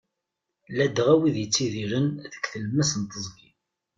Ladɣa widak yettidiren deg tlemmast n teẓgi.